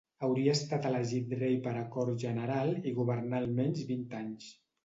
Hauria estat elegit rei per acord general i governà almenys vint anys.